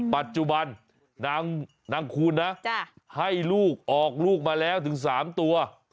ปัจจุบันนางคูณนะให้ลูกออกลูกมาแล้วถึง๓ตัว